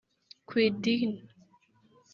ku idini